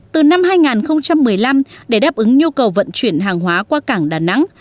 từ năm hai nghìn một mươi năm để đáp ứng nhu cầu vận chuyển hàng hóa qua cảng đà nẵng